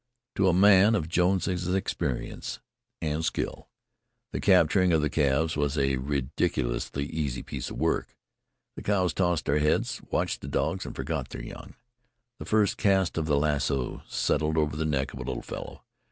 To a man of Jones's experience and skill, the capturing of the calves was a ridiculously easy piece of work. The cows tossed their heads, watched the dogs, and forgot their young. The first cast of the lasso settled over the neck of a little fellow.